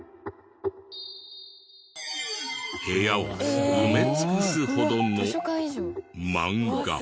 部屋を埋め尽くすほどのマンガ。